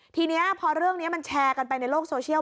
ทีนี้พอเรื่องนี้มันแชร์กันไปในโลกโซเชียล